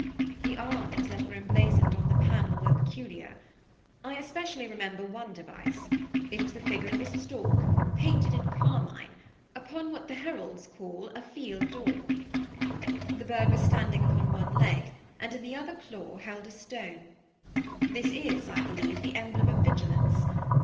The arms that were emblazoned on the panel were peculiar; I remember especially one device it was the figure of a stork, painted in carmine, upon what the heralds call a "field or." The bird was standing upon one leg, and in the other claw held a stone. This is, I believe, the emblem of vigilance.